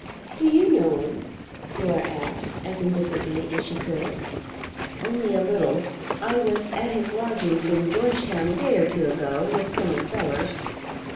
"Do you know him?" Laura asked, as indifferently as she could. "Only a little. I was at his lodgings' in Georgetown a day or two ago, with Col. Sellers.